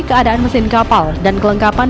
keadaan mesin kapal dan kelengkapan